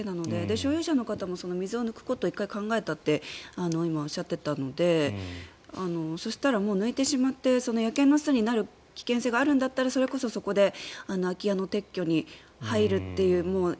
所有者の方も水を抜くことを１回考えたっておっしゃっていたのでそうしたら、もう抜いてしまって野犬の巣になる危険性があるんだったら、それこそそこで空き家の撤去に入るという。